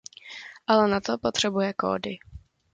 Ale na to potřebuje kódy.